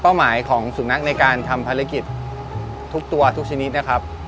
หมายของสุนัขในการทำภารกิจทุกตัวทุกชนิดนะครับ